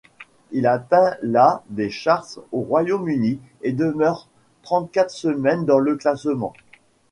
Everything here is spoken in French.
Il atteint la des charts au Royaume-Uni et demeure trente-quatre semaines dans le classement.